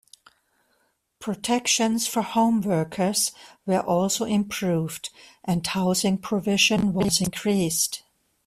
Protections for homeworkers were also improved, and housing provision was increased.